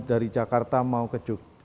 dari jakarta mau ke